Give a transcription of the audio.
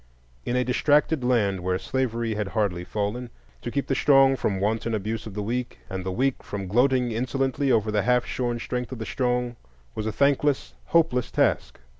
In a distracted land where slavery had hardly fallen, to keep the strong from wanton abuse of the weak, and the weak from gloating insolently over the half shorn strength of the strong, was a thankless, hopeless task.